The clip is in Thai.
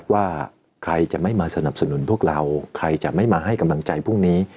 ว่าใครจะไม่มาสนับสนุนพวกเราใครจะไม่มาให้กำลังใจพรุ่งนี้